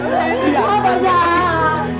keluar kamu dari sini